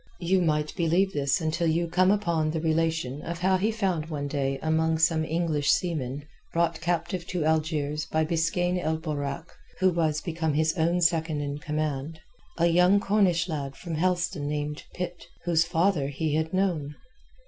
You might believe this until you come upon the relation of how he found one day among some English seamen brought captive to Algiers by Biskaine el Borak—who was become his own second in command—a young Cornish lad from Helston named Pitt, whose father he had known.